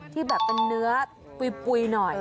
ที่แบบเป็นเนื้อปุ๋ยหน่อย